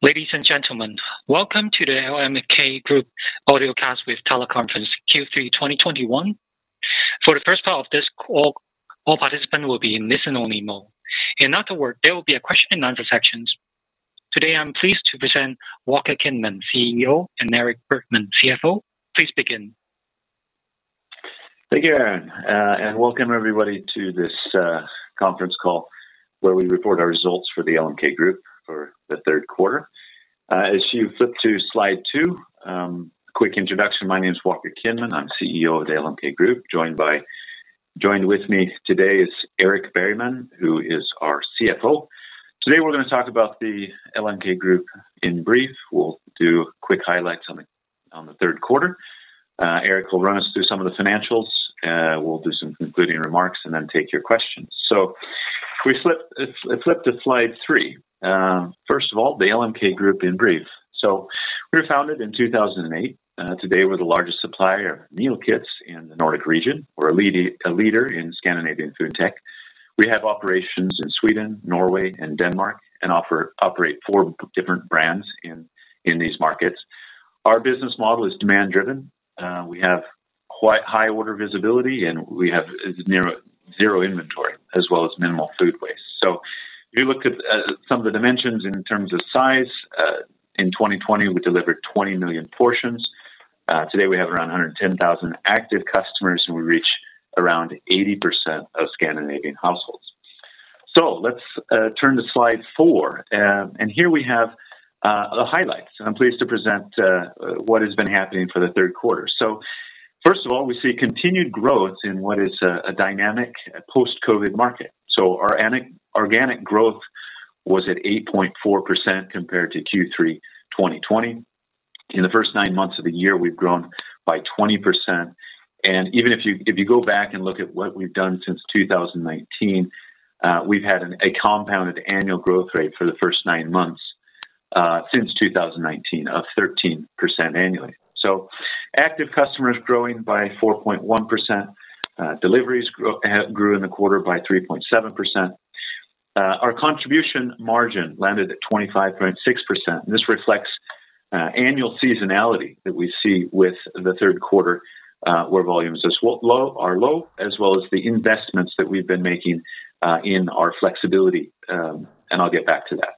Ladies and gentlemen, welcome to the LMK Group audio cast with teleconference Q3 2021. For the first part of this call, all participant will be in listen-only mode. Afterward, there will be a question and answer sections. Today, I'm pleased to present Walker Kinman, CEO, and Erik Bergman, CFO. Please begin. Thank you, Aaron. Welcome everybody to this conference call where we report our results for the LMK Group for the third quarter. As you flip to slide two, a quick introduction. My name is Walker Kinman, I'm CEO of the LMK Group. Joined with me today is Erik Bergman, who is our CFO. Today, we're gonna talk about the LMK Group in brief. We'll do quick highlights on the third quarter. Erik will run us through some of the financials, we'll do some concluding remarks, and then take your questions. If we flip to slide three. First of all, the LMK Group in brief. We were founded in 2008. Today we're the largest supplier of meal kits in the Nordic region. We're a leader in Scandinavian food tech. We have operations in Sweden, Norway, and Denmark, and operate four different brands in these markets. Our business model is demand-driven. We have quite high order visibility, and we have near zero inventory as well as minimal food waste. If you look at some of the dimensions in terms of size, in 2020 we delivered 20 million portions. Today we have around 110,000 active customers, and we reach around 80% of Scandinavian households. Let's turn to slide four. Here we have the highlights. I'm pleased to present what has been happening for the third quarter. First of all, we see continued growth in what is a dynamic post-COVID market. Organic growth was at 8.4% compared to Q3 2020. In the first nine months of the year, we've grown by 20%. Even if you go back and look at what we've done since 2019, we've had a compounded annual growth rate for the first nine months since 2019 of 13% annually. Active customers growing by 4.1%. Deliveries grew in the quarter by 3.7%. Our contribution margin landed at 25.6%. This reflects annual seasonality that we see with the third quarter, where volumes are low, as well as the investments that we've been making in our flexibility, and I'll get back to that.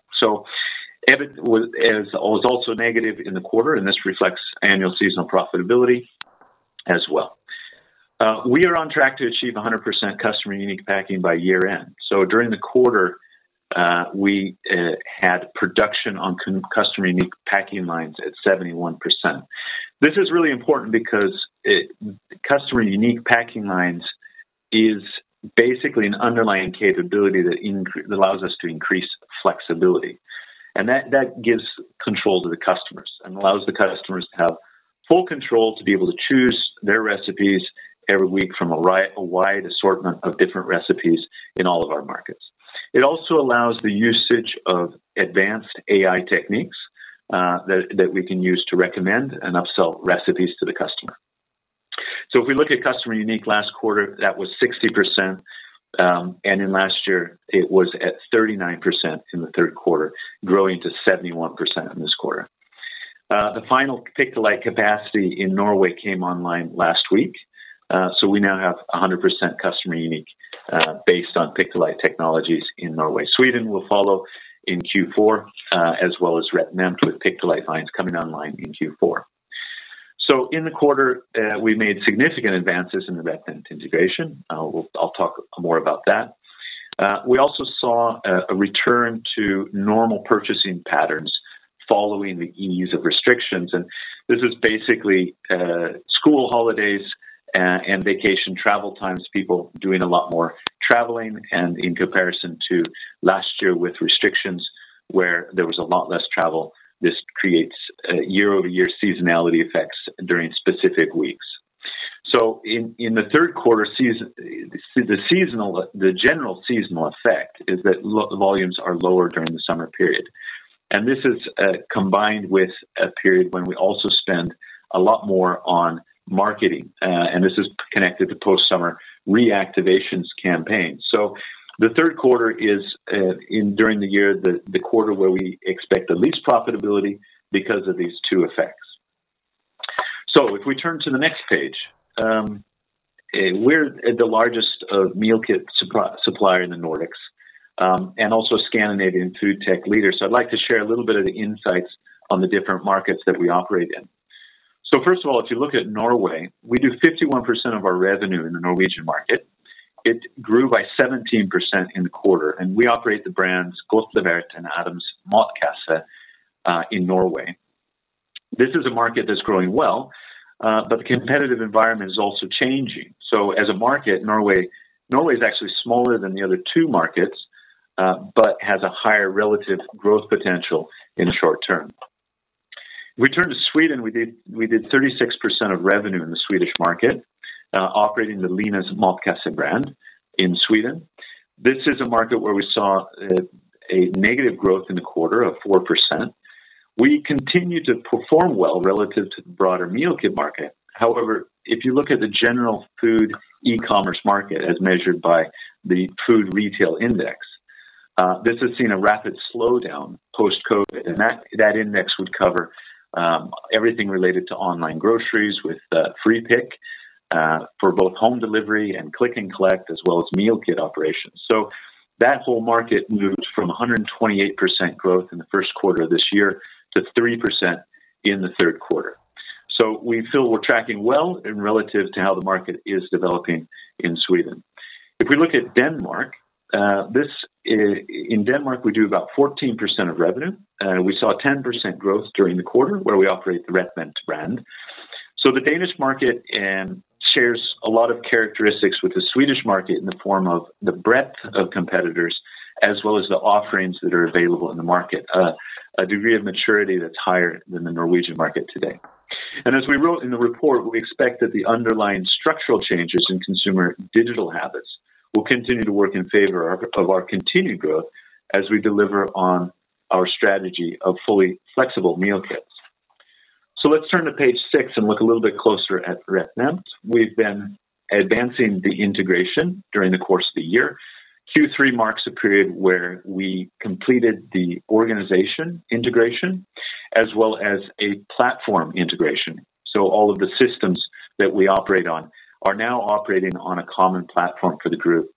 EBIT was also negative in the quarter, and this reflects annual seasonal profitability as well. We are on track to achieve 100% customer unique packing by year-end. During the quarter, we had production on customer unique packing lines at 71%. This is really important because customer unique packing lines is basically an underlying capability that allows us to increase flexibility. That gives control to the customers and allows the customers to have full control to be able to choose their recipes every week from a wide assortment of different recipes in all of our markets. It also allows the usage of advanced AI techniques that we can use to recommend and upsell recipes to the customer. If we look at customer unique last quarter, that was 60%, and in last year it was at 39% in the third quarter, growing to 71% in this quarter. The final pick-to-light capacity in Norway came online last week, so we now have 100% customer unique, based on pick-to-light technologies in Norway. Sweden will follow in Q4, as well as RetNemt with pick-to-light lines coming online in Q4. In the quarter, we made significant advances in the RetNemt integration. I'll talk more about that. We also saw a return to normal purchasing patterns following the ease of restrictions. This is basically school holidays and vacation travel times, people doing a lot more traveling and in comparison to last year with restrictions where there was a lot less travel. This creates year-over-year seasonality effects during specific weeks. In the third quarter, the general seasonal effect is that the volumes are lower during the summer period. This is combined with a period when we also spend a lot more on marketing, and this is connected to post-summer reactivations campaigns. The third quarter is the quarter during the year where we expect the least profitability because of these two effects. If we turn to the next page, we're the largest meal kit supplier in the Nordics and also Scandinavian food tech leader. I'd like to share a little bit of the insights on the different markets that we operate in. First of all, if you look at Norway, we do 51% of our revenue in the Norwegian market. It grew by 17% in the quarter, and we operate the brands Godtlevert and Adams Matkasse in Norway. This is a market that's growing well, but the competitive environment is also changing. As a market, Norway is actually smaller than the other two markets, but has a higher relative growth potential in short term. If we turn to Sweden, we did 36% of revenue in the Swedish market, operating the Linas Matkasse brand in Sweden. This is a market where we saw a negative growth in the quarter of 4%. We continue to perform well relative to the broader meal kit market. However, if you look at the general food e-commerce market as measured by the food retail index, this has seen a rapid slowdown post-COVID, and that index would cover everything related to online groceries with free pickup for both home delivery and click and collect as well as meal kit operations. That whole market moved from 128% growth in the first quarter of this year to 3% in the third quarter. We feel we're tracking well relative to how the market is developing in Sweden. If we look at Denmark, in Denmark, we do about 14% of revenue. We saw a 10% growth during the quarter where we operate the RetNemt brand. The Danish market shares a lot of characteristics with the Swedish market in the form of the breadth of competitors as well as the offerings that are available in the market, a degree of maturity that's higher than the Norwegian market today. As we wrote in the report, we expect that the underlying structural changes in consumer digital habits will continue to work in favor of our continued growth as we deliver on our strategy of fully flexible meal kits. Let's turn to page six and look a little bit closer at RetNemt. We've been advancing the integration during the course of the year. Q3 marks a period where we completed the organization integration as well as a platform integration. All of the systems that we operate on are now operating on a common platform for the group.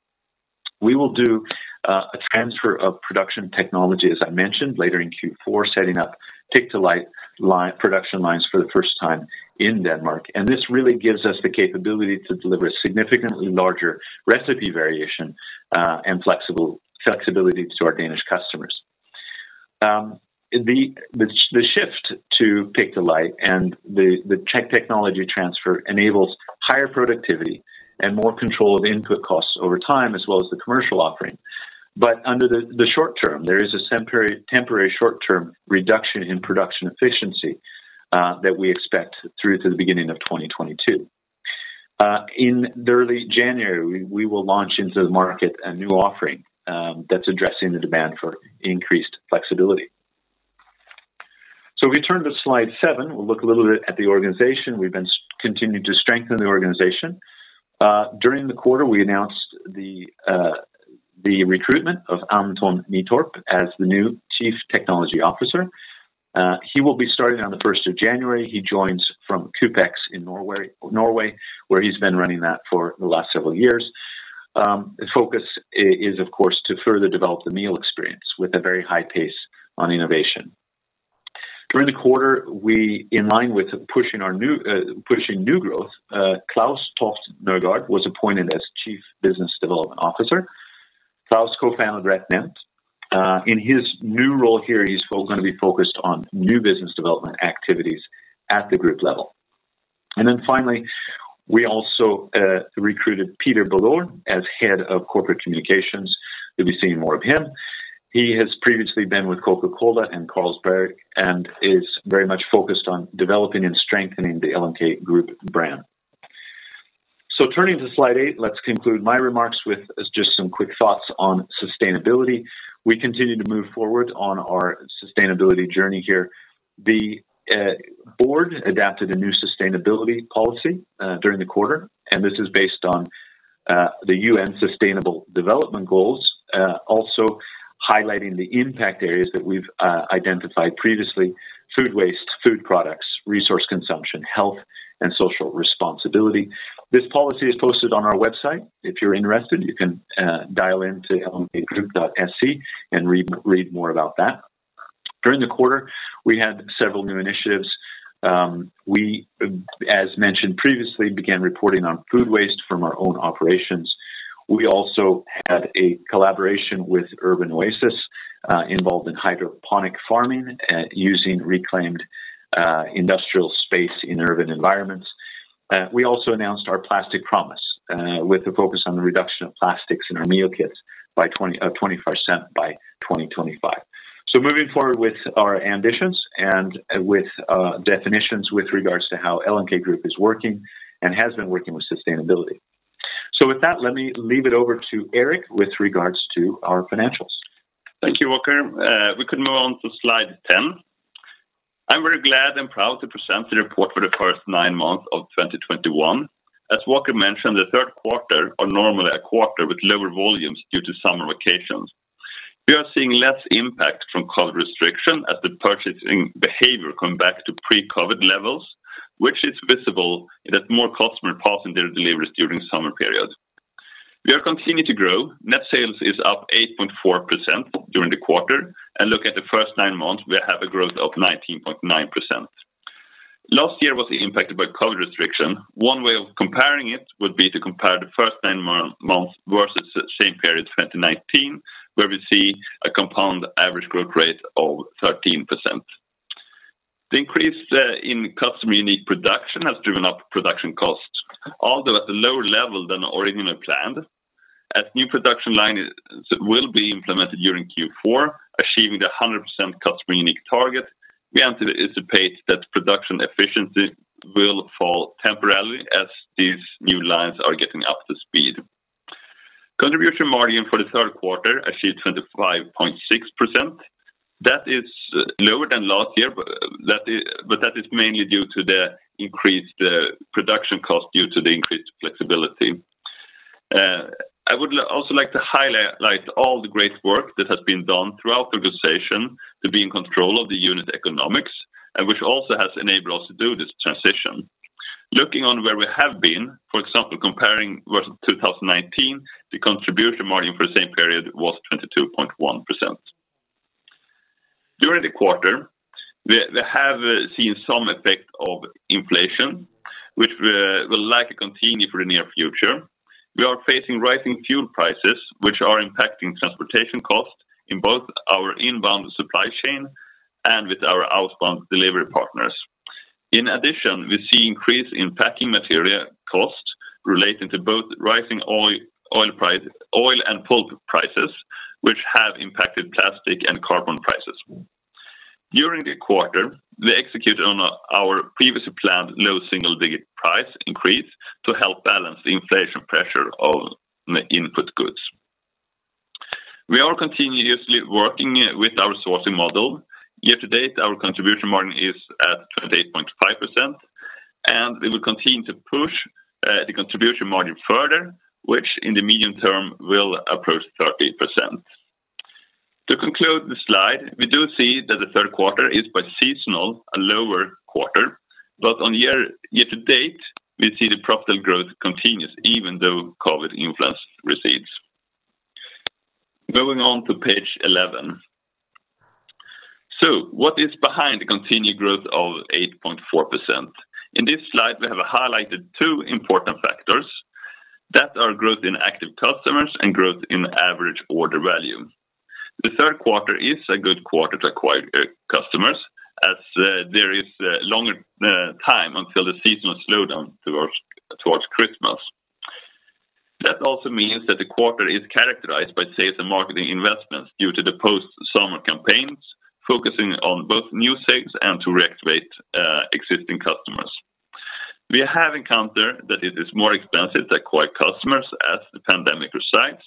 We will do a transfer of production technology, as I mentioned later in Q4, setting up pick-to-light production lines for the first time in Denmark. This really gives us the capability to deliver a significantly larger recipe variation and flexibility to our Danish customers. The shift to pick-to-light and the technology transfer enables higher productivity and more control of input costs over time as well as the commercial offering. In the short term, there is a temporary short-term reduction in production efficiency that we expect through to the beginning of 2022. In early January, we will launch into the market a new offering that's addressing the demand for increased flexibility. We turn to slide seven. We'll look a little bit at the organization. We've continued to strengthen the organization. During the quarter, we announced the recruitment of Anton Nytorp as the new Chief Technology Officer. He will be starting on the first of January. He joins from CoopX in Norway, where he's been running that for the last several years. His focus is of course to further develop the meal experience with a very high pace on innovation. During the quarter, in line with pushing new growth, Klaus Toft Nørgaard was appointed as Chief Business Development Officer. Klaus co-founded RetNemt. In his new role here, he's gonna be focused on new business development activities at the group level. Finally, we also recruited Peter Bodor as Head of Corporate Communications. We'll be seeing more of him. He has previously been with Coca-Cola and Carlsberg and is very much focused on developing and strengthening the LMK Group brand. Turning to slide eight, let's conclude my remarks with just some quick thoughts on sustainability. We continue to move forward on our sustainability journey here. The board adopted a new sustainability policy during the quarter, and this is based on the UN Sustainable Development Goals, also highlighting the impact areas that we've identified previously, food waste, food products, resource consumption, health, and social responsibility. This policy is posted on our website. If you're interested, you can dial in to lmkgroup.se and read more about that. During the quarter, we had several new initiatives. We, as mentioned previously, began reporting on food waste from our own operations. We also had a collaboration with Urban Oasis, involved in hydroponic farming, using reclaimed industrial space in urban environments. We also announced our Plastic Promise, with the focus on the reduction of plastics in our meal kits by 25% by 2025. Moving forward with our ambitions and with definitions with regards to how LMK Group is working and has been working with sustainability. With that, let me leave it over to Erik with regards to our financials. Thank you, Walker. We can move on to slide 10. I'm very glad and proud to present the report for the first nine months of 2021. As Walker mentioned, the third quarter are normally a quarter with lower volumes due to summer vacations. We are seeing less impact from COVID restriction as the purchasing behavior come back to pre-COVID levels, which is visible in that more customers passing their deliveries during summer periods. We are continuing to grow. Net sales is up 8.4% during the quarter. Look at the first nine months, we have a growth of 19.9%. Last year was impacted by COVID restriction. One way of comparing it would be to compare the first nine months versus the same period 2019, where we see a compound average growth rate of 13%. The increase in customer unique production has driven up production costs, although at a lower level than originally planned. As new production line will be implemented during Q4, achieving the 100% customer unique target, we anticipate that production efficiency will fall temporarily as these new lines are getting up to speed. Contribution margin for the third quarter achieved 25.6%. That is lower than last year, but that is mainly due to the increased production cost due to the increased flexibility. I would also like to highlight all the great work that has been done throughout the organization to be in control of the unit economics and which also has enabled us to do this transition. Looking on where we have been, for example, comparing versus 2019, the contribution margin for the same period was 22.1%. During the quarter, we have seen some effect of inflation, which will likely continue for the near future. We are facing rising fuel prices, which are impacting transportation costs in both our inbound supply chain and with our outbound delivery partners. In addition, we see increase in packing material costs relating to both rising oil and pulp prices, which have impacted plastic and cardboard prices. During the quarter, we executed on our previously planned low single-digit price increase to help balance the inflation pressure of input goods. We are continuously working with our sourcing model. Year to date, our contribution margin is at 28.5%, and we will continue to push the contribution margin further, which in the medium term will approach 30%. To conclude the slide, we do see that the third quarter is seasonally a lower quarter, but year-to-date, we see the profitable growth continues even though COVID influence recedes. Moving on to page 11. What is behind the continued growth of 8.4%? In this slide, we have highlighted two important factors that are growth in active customers and growth in average order value. The third quarter is a good quarter to acquire customers as there is longer time until the seasonal slowdown towards Christmas. That also means that the quarter is characterized by sales and marketing investments due to the post-summer campaigns, focusing on both new sales and to reactivate existing customers. We have encountered that it is more expensive to acquire customers as the pandemic recedes,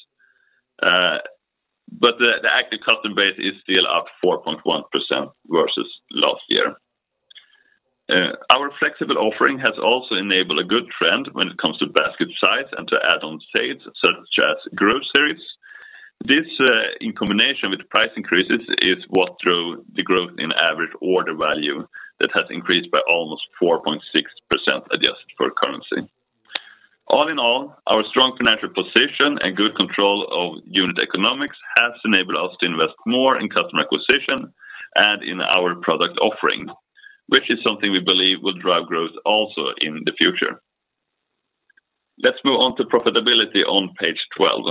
but the active customer base is still up 4.1% versus last year. Our flexible offering has also enabled a good trend when it comes to basket size and to add-on sales, such as groceries. This, in combination with price increases is what drove the growth in average order value that has increased by almost 4.6% adjusted for currency. All in all, our strong financial position and good control of unit economics has enabled us to invest more in customer acquisition and in our product offering, which is something we believe will drive growth also in the future. Let's move on to profitability on page 12.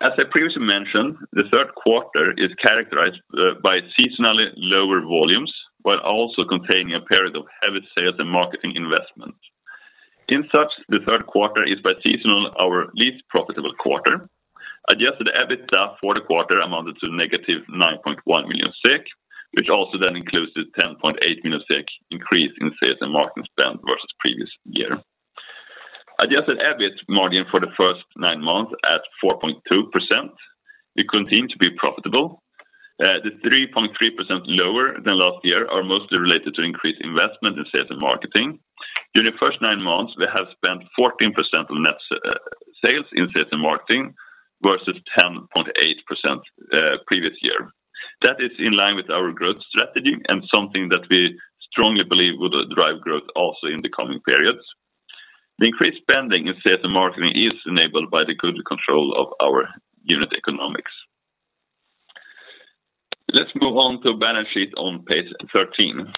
As I previously mentioned, the third quarter is characterized by seasonally lower volumes while also containing a period of heavy sales and marketing investment. As such, the third quarter is, by season, our least profitable quarter. Adjusted EBITDA for the quarter amounted to -9.1 million, which also then includes the 10.8 million increase in sales and marketing spend versus previous year. Adjusted EBIT margin for the first nine months at 4.2%, we continue to be profitable. The 3.3% lower than last year are mostly related to increased investment in sales and marketing. During the first nine months, we have spent 14% on net sales and marketing versus 10.8% previous year. That is in line with our growth strategy and something that we strongly believe will drive growth also in the coming periods. The increased spending in sales and marketing is enabled by the good control of our unit economics. Let's move on to balance sheet on page 13.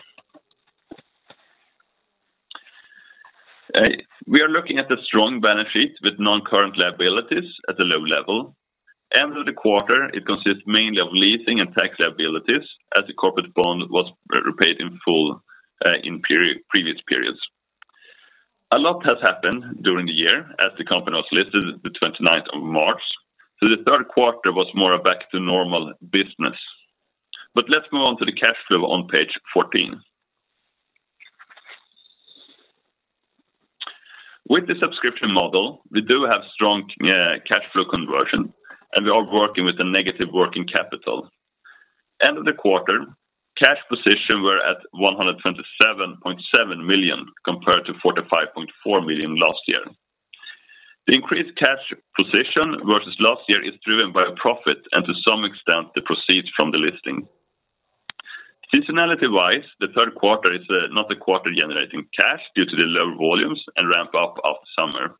We are looking at a strong balance sheet with non-current liabilities at a low level. End of the quarter, it consists mainly of leasing and tax liabilities as the corporate bond was repaid in full in previous periods. A lot has happened during the year as the company was listed the 29th of March. The third quarter was more back to normal business. Let's move on to the cash flow on page 14. With the subscription model, we do have strong cash flow conversion, and we are working with a negative working capital. End of the quarter, cash position were at 127.7 million compared to 45.4 million last year. The increased cash position versus last year is driven by profit and to some extent the proceeds from the listing. Seasonality-wise, the third quarter is not the quarter generating cash due to the lower volumes and ramp up after summer.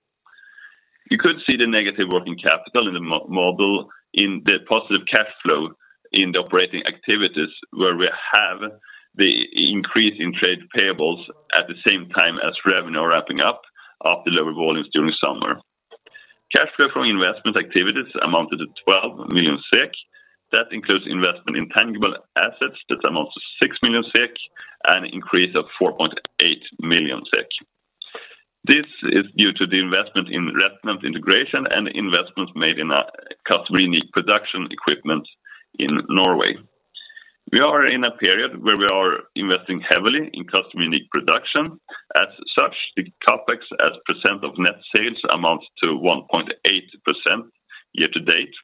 You could see the negative working capital in the model in the positive cash flow in the operating activities, where we have the increase in trade payables at the same time as revenue ramping up after lower volumes during summer. Cash flow from investment activities amounted to 12 million SEK. That includes investment in tangible assets that amounts to 6 million SEK and increase of 4.8 million SEK. This is due to the investment in RetNemt integration and investments made in a customer unique production equipment in Norway. We are in a period where we are investing heavily in customer unique production. As such, the CapEx as percent of net sales amounts to 1.8% year-to-date,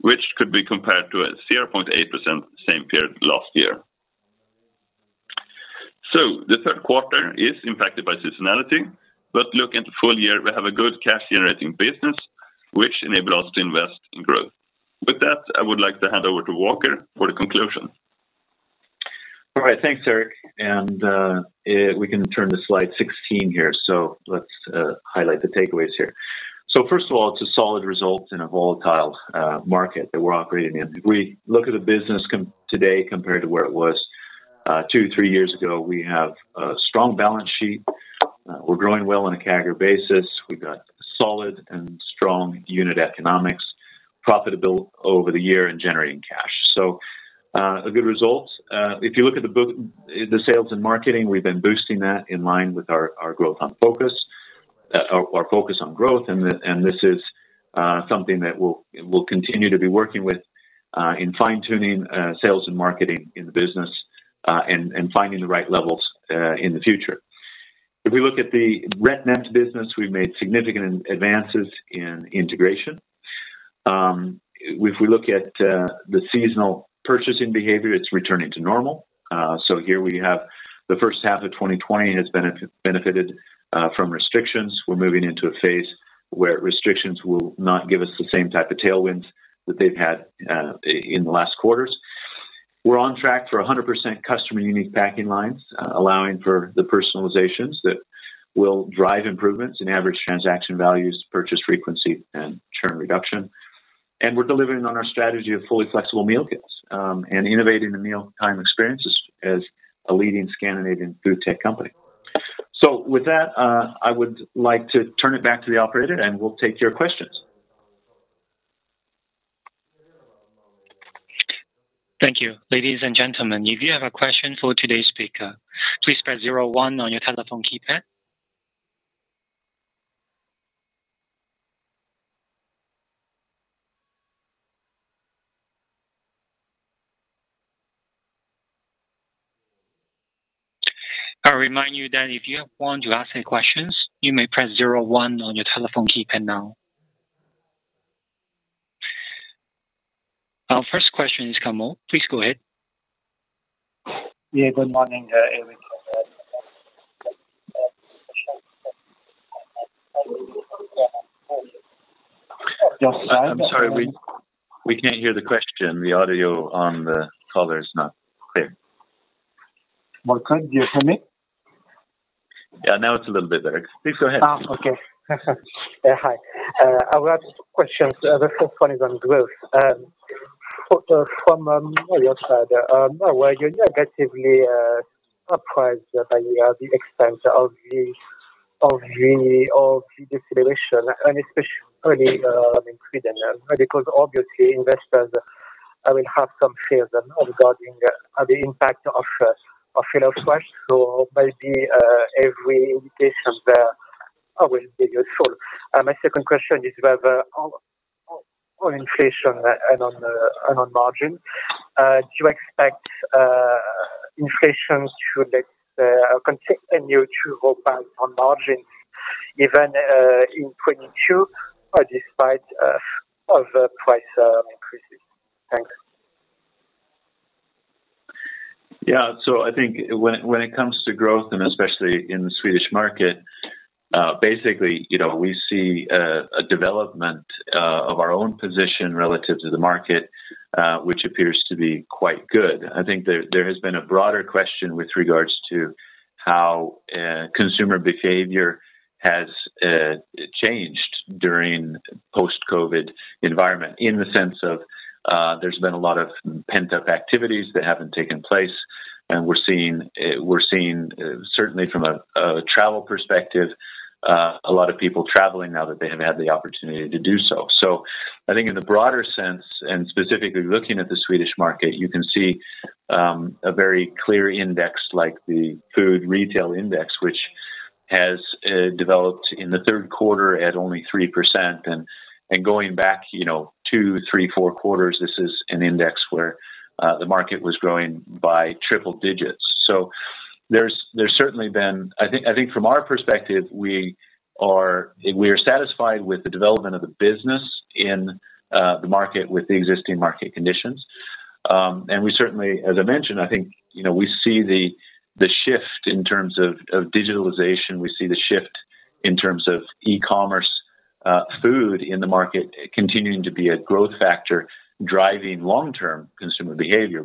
which could be compared to a 0.8% same period last year. The third quarter is impacted by seasonality, but look at the full year, we have a good cash generating business which enable us to invest in growth. With that, I would like to hand over to Walker for the conclusion. All right. Thanks, Erik. We can turn to slide 16 here. Let's highlight the takeaways here. First of all, it's a solid result in a volatile market that we're operating in. We look at the business compared today compared to where it was two to three years ago. We have a strong balance sheet. We're growing well on a CAGR basis. We've got solid and strong unit economics profitable over the year and generating cash. A good result. If you look at the sales and marketing, we've been boosting that in line with our growth on focus or focus on growth. This is something that we'll continue to be working with in fine-tuning sales and marketing in the business and finding the right levels in the future. If we look at the RetNemt business, we've made significant advances in integration. If we look at the seasonal purchasing behavior, it's returning to normal. Here we have the H1 of 2020 has benefited from restrictions. We're moving into a phase where restrictions will not give us the same type of tailwinds that they've had in the last quarters. We're on track for 100% customer unique packing lines, allowing for the personalizations that will drive improvements in average transaction values, purchase frequency, and churn reduction. We're delivering on our strategy of fully flexible meal kits and innovating the mealtime experiences as a leading Scandinavian food tech company. With that, I would like to turn it back to the operator, and we'll take your questions. Thank you. Ladies and gentlemen, if you have a question for today's speaker, please press zero one on your telephone keypad. I remind you that if you want to ask any questions, you may press zero one on your telephone keypad now. Our first question is Kamal. Please go ahead. Yeah, good morning, Erik. I'm sorry. We can't hear the question. The audio on the caller is not clear. Walker, do you hear me? Yeah, now it's a little bit better. Please go ahead. Oh, okay. Yeah, hi. I've got questions. The first one is on growth. From your side, were you negatively surprised by the extent of the deceleration and especially in Sweden? Because obviously investors will have some fears regarding the impact of inflation. Maybe every indication there will be useful. My second question is about on inflation and on margin. Do you expect inflation to continue to hold back on margin even in 2022 or despite of price increases? Thanks. Yeah. I think when it comes to growth, and especially in the Swedish market, basically, you know, we see a development of our own position relative to the market, which appears to be quite good. I think there has been a broader question with regards to how consumer behavior has changed during post-COVID environment in the sense of, there's been a lot of pent-up activities that haven't taken place. We're seeing certainly from a travel perspective a lot of people traveling now that they have had the opportunity to do so. I think in the broader sense, and specifically looking at the Swedish market, you can see a very clear index like the Food Retail Index, which has developed in the third quarter at only 3%. Going back, you know, two, three, four quarters, this is an index where the market was growing by triple digits. There's certainly been. I think from our perspective, we are satisfied with the development of the business in the market with the existing market conditions. We certainly, as I mentioned, I think, you know, we see the shift in terms of digitalization. We see the shift in terms of e-commerce food in the market continuing to be a growth factor driving long-term consumer behavior.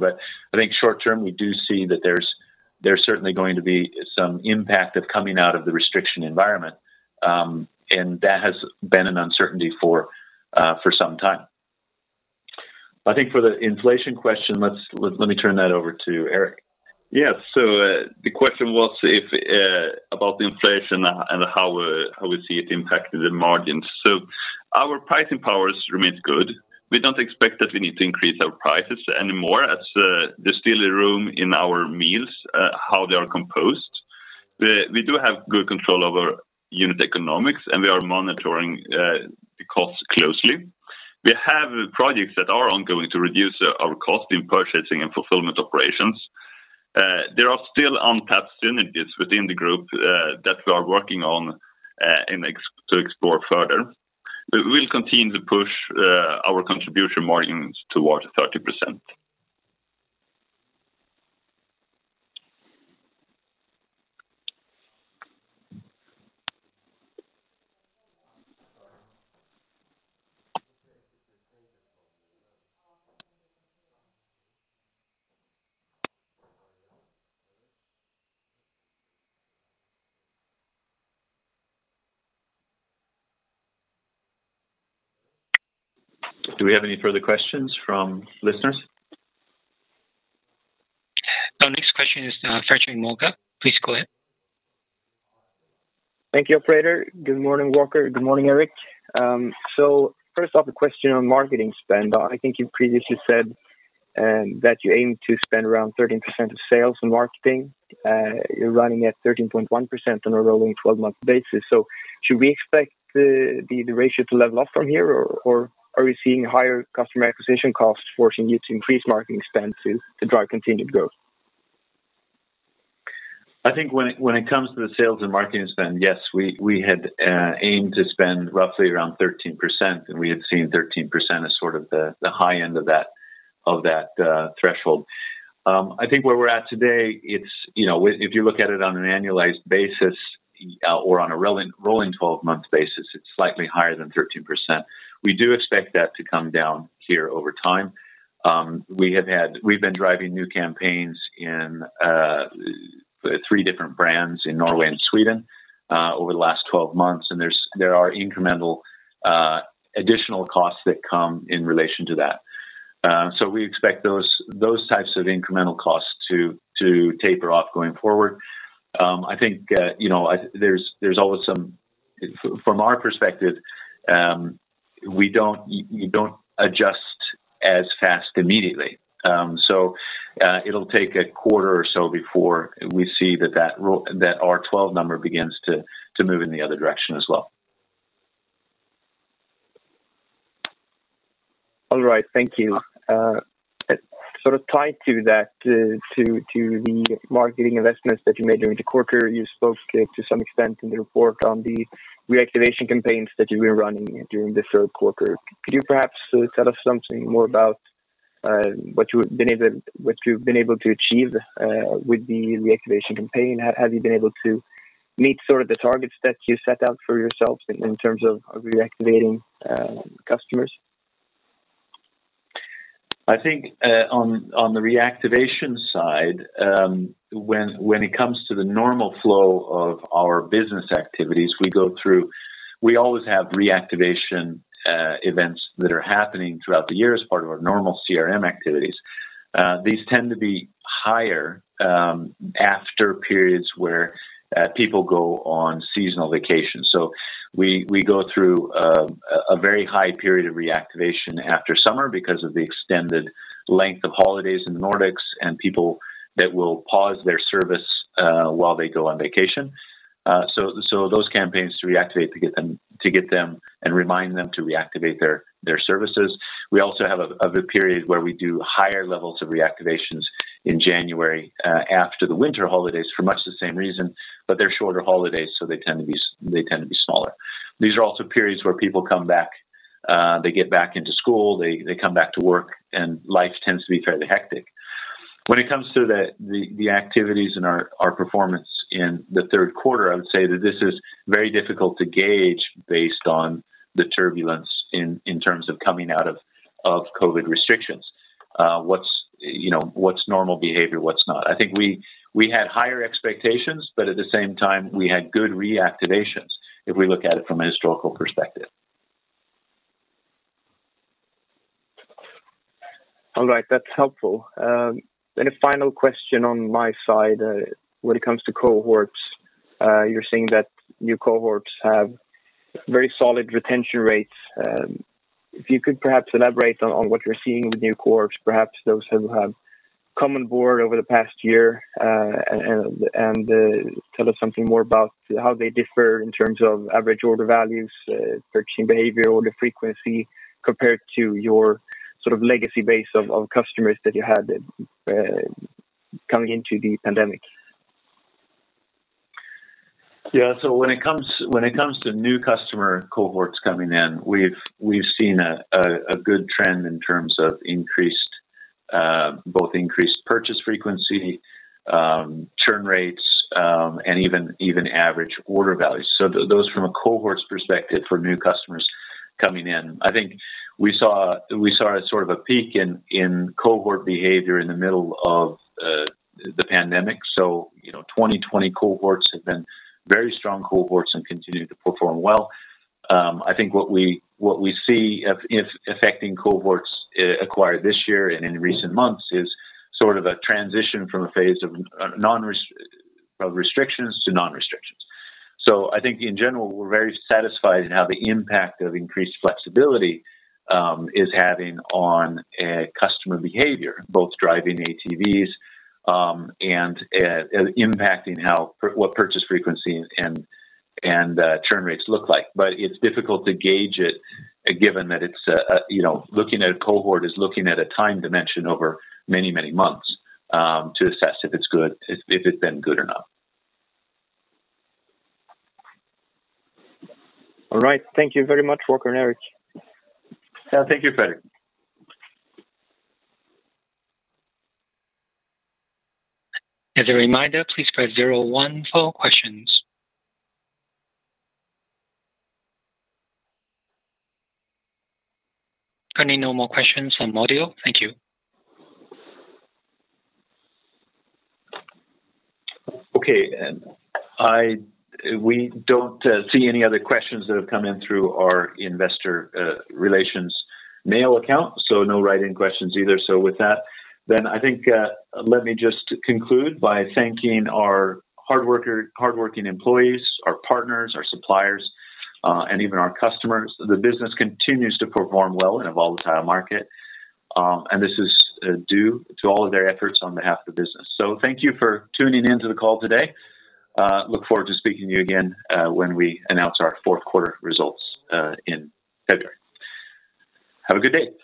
I think short term, we do see that there's certainly going to be some impact of coming out of the restriction environment, and that has been an uncertainty for some time. I think for the inflation question, let me turn that over to Erik. Yeah. The question was about the inflation and how we see it impacting the margins. Our pricing powers remains good. We don't expect that we need to increase our prices anymore as there's still room in our meals how they are composed. We do have good control over unit economics, and we are monitoring the costs closely. We have projects that are ongoing to reduce our cost in purchasing and fulfillment operations. There are still untapped synergies within the group that we are working on and expect to explore further. We'll continue to push our contribution margins towards 30%. Do we have any further questions from listeners? Our next question is, Frederick Molga. Please go ahead. Thank you, operator. Good morning, Walker. Good morning, Erik. First off, a question on marketing spend. I think you previously said that you aim to spend around 13% of sales and marketing. You're running at 13.1% on a rolling 12-month basis. Should we expect the ratio to level off from here or are we seeing higher customer acquisition costs forcing you to increase marketing spend to drive continued growth? I think when it comes to the sales and marketing spend, yes, we had aimed to spend roughly around 13%, and we had seen 13% as sort of the high end of that threshold. I think where we're at today, it's if you look at it on an annualized basis, or on a rolling 12-month basis, it's slightly higher than 13%. We do expect that to come down here over time. We've been driving new campaigns in three different brands in Norway and Sweden over the last 12 months, and there are incremental additional costs that come in relation to that. We expect those types of incremental costs to taper off going forward. I think, you know, from our perspective, we don't adjust as fast immediately. It'll take a quarter or so before we see that our 12 number begins to move in the other direction as well. All right. Thank you. Sort of tied to that, to the marketing investments that you made during the quarter, you spoke to some extent in the report on the reactivation campaigns that you were running during the third quarter. Could you perhaps tell us something more about what you've been able to achieve with the reactivation campaign? Have you been able to meet sort of the targets that you set out for yourselves in terms of reactivating customers? I think on the reactivation side, when it comes to the normal flow of our business activities, we always have reactivation events that are happening throughout the year as part of our normal CRM activities. These tend to be higher after periods where people go on seasonal vacations. We go through a very high period of reactivation after summer because of the extended length of holidays in the Nordics and people that will pause their service while they go on vacation. Those campaigns to reactivate to get them and remind them to reactivate their services. We also have a period where we do higher levels of reactivations in January, after the winter holidays for much the same reason, but they're shorter holidays, so they tend to be smaller. These are also periods where people come back, they get back into school, they come back to work, and life tends to be fairly hectic. When it comes to the activities and our performance in the third quarter, I would say that this is very difficult to gauge based on the turbulence in terms of coming out of COVID restrictions. What's, you know, what's normal behavior, what's not. I think we had higher expectations, but at the same time, we had good reactivations if we look at it from a historical perspective. All right. That's helpful. A final question on my side, when it comes to cohorts. You're saying that new cohorts have very solid retention rates. If you could perhaps elaborate on what you're seeing with new cohorts, perhaps those who have come on board over the past year, and tell us something more about how they differ in terms of average order values, purchasing behavior, order frequency compared to your sort of legacy base of customers that you had coming into the pandemic. When it comes to new customer cohorts coming in, we've seen a good trend in terms of both increased purchase frequency, churn rates, and even average order values. Those from a cohort's perspective for new customers coming in. I think we saw a sort of a peak in cohort behavior in the middle of the pandemic. You know, 2020 cohorts have been very strong cohorts and continue to perform well. I think what we see affecting cohorts acquired this year and in recent months is sort of a transition from a phase of restrictions to non-restrictions. I think in general, we're very satisfied with how the impact of increased flexibility is having on customer behavior, both driving ATVs and impacting how what purchase frequency and churn rates look like. It's difficult to gauge it given that it's, you know, looking at a cohort is looking at a time dimension over many, many months to assess if it's good, if it's been good enough. All right. Thank you very much, Walker and Erik. Yeah. Thank you, Fredrik. As a reminder, please press zero one for questions. Currently, no more questions on audio. Thank you. Okay. We don't see any other questions that have come in through our investor relations mail account. No write-in questions either. With that, I think, let me just conclude by thanking our hardworking employees, our partners, our suppliers, and even our customers. The business continues to perform well in a volatile market, and this is due to all of their efforts on behalf of the business. Thank you for tuning in to the call today. Look forward to speaking to you again, when we announce our fourth quarter results, in February. Have a good day.